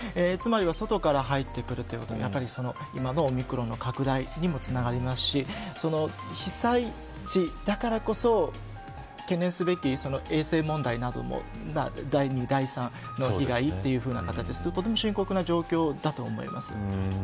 つまりは外から入ってくるということは今のオミクロンの拡大にもつながりますし被災地だからこそ懸念すべき、衛生問題なども第２、第３の被害を考えるととても深刻な状況だと思います。